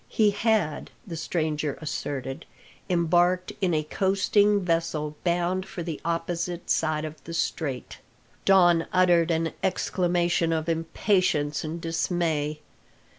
He had, the stranger asserted, embarked in a coasting vessel bound for the opposite side of the Strait. Don uttered an exclamation of impatience and dismay.